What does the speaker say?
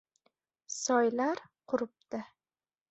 soylar quribdi